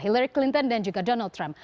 hillary clinton dan juga donald trump